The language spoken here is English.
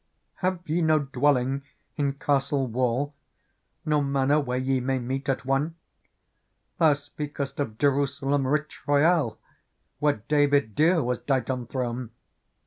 Ha^e ye no dwelling in castle wall Nor manor where ye may meet at one ? Thou speak'st of Jerusalem rich, royal. Where David dear was dight on throne.